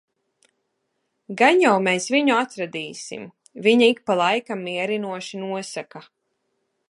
"Gan jau mēs viņu atradīsim," viņa ik pa laikam mierinoši nosaka.